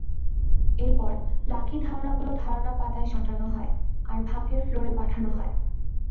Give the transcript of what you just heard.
এরপর, লাকি ধারণাগুলো ধারণা-পাতায় সাঁটানো হয়, আর ভাগ্যের ফ্লোরে পাঠানো হয়।